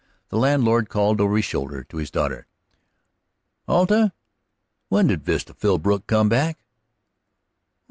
The landlord called over his shoulder to his daughter: "Alta, when did Vesta Philbrook come back?"